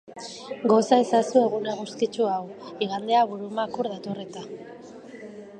Goza ezazu egun eguzkitsu hau, igandea burumakur dator eta.